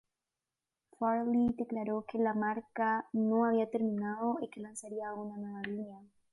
Farley declaró que la marca no había terminado y que lanzaría una nueva línea.